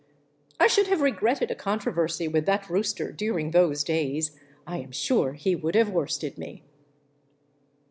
I should have regretted a controversy with that rooster during those days ; I am sure he would have worsted me.